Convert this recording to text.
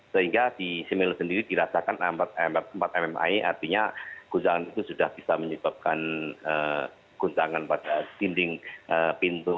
sehingga di simelu sendiri dirasakan empat mmi artinya guncangan itu sudah bisa menyebabkan guncangan pada dinding pintu